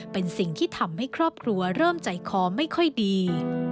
เป็นสิ่งที่ทำให้ครอบครัวเริ่มใจคอไม่ค่อยดี